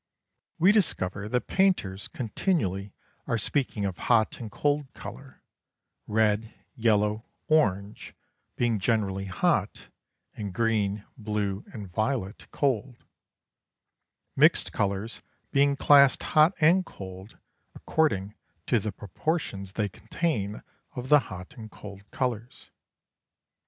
We discover that painters continually are speaking of hot and cold colour: red, yellow, orange being generally hot, and green, blue, and violet cold mixed colours being classed hot and cold according to the proportions they contain of the hot and cold colours.